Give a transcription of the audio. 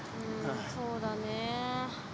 そうだね。